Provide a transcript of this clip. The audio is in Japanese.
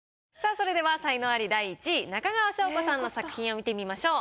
それでは才能アリ第１位中川翔子さんの作品を見てみましょう。